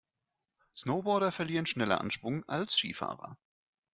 Snowboarder verlieren schneller an Schwung als Skifahrer.